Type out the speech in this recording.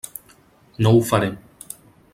No ho faré.